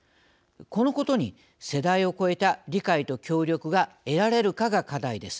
このことに世代を超えた理解と協力が得られるかが課題です。